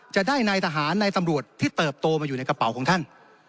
จะได้นายทหารในตำรวจที่เติบโตมาอยู่ในกระเป๋าของท่าน